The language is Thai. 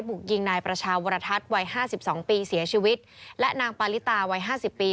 บุกยิงนายประชาวรทัศน์วัยห้าสิบสองปีเสียชีวิตและนางปาลิตาวัยห้าสิบปี